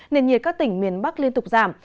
nền nhiệt các tỉnh miền bắc liên tục giảm